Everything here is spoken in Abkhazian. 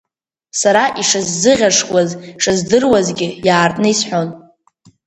Сара ишысзыӷьашкуаз шыздыруазгьы, иаартны исҳәон.